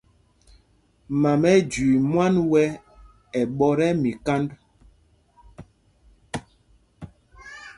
Man ɛ ́ɛ́ jüii mwán wɛ́ ɛ ɓɔ̌t ɛ́ mikānd.